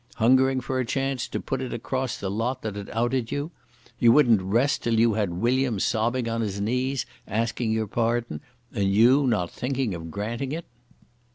Hungering for a chance to put it across the lot that had outed you? You wouldn't rest till you had William sobbing on his knees asking your pardon, and you not thinking of granting it?